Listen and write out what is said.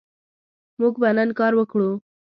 موږ به نن کار وکړو